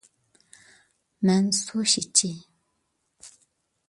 مەن سۇشىچى.